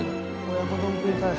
親子丼食いたい。